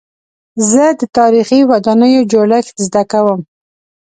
زه د تاریخي ودانیو جوړښت زده کوم.